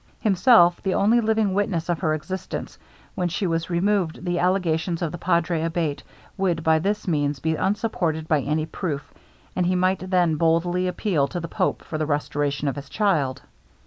Himself the only living witness of her existence, when she was removed, the allegations of the Padre Abate would by this means be unsupported by any proof, and he might then boldly appeal to the pope for the restoration of his child.